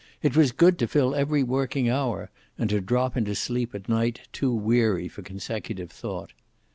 It was good to fill every working hour, and to drop into sleep at night too weary for consecutive thought.